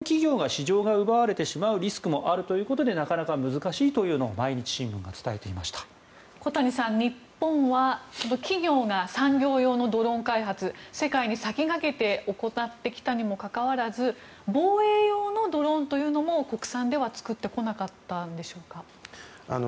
しかも輸出規制これは厳格にすると今度は日本企業が市場が奪われてしまうリスクがあるということでなかなか難しいということを小谷さん、日本は企業が産業用のドローン開発世界に先駆けて行ってきたにもかかわらず防衛用のドローンというのも国産では作ってこなかったんでしょうか。